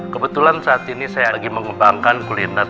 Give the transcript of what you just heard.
kebetulan saat ini saya lagi mengembangkan kuliner di semarang